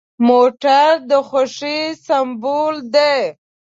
موټر د خوښۍ سمبول دی.